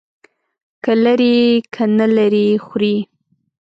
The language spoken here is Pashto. که لري، که نه لري، خوري.